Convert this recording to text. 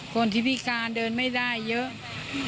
คนที่พิการเดินไม่ได้เยอะ